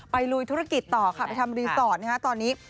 ลุยธุรกิจต่อค่ะไปทำรีสอร์ทตอนนี้